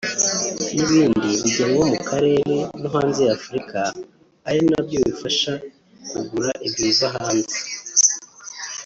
n’ibindi bijyanwa mu Karere no hanze ya Afurika ari nabyo bifasha kugura ibyo biva hanze